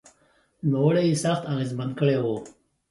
نوموړي یې سخت اغېزمن کړی و